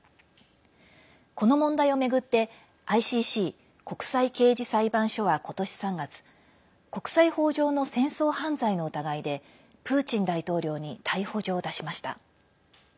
この問題を巡ってＩＣＣ＝国際刑事裁判所は今年３月、国際法上の戦争犯罪の疑いでプーチン大統領に逮捕状を出しました。